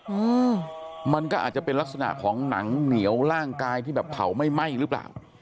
อืมมันก็อาจจะเป็นลักษณะของหนังเหนียวร่างกายที่แบบเผาไม่ไหม้หรือเปล่า